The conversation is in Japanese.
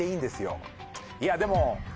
いやでも。